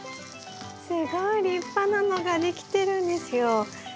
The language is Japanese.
すごい立派なのができてるんですよ。